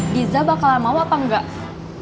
giza bakalan mau apa enggak